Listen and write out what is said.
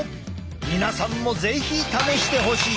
皆さんも是非試してほしい！